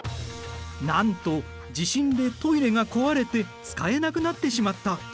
なんと地震でトイレが壊れて使えなくなってしまった。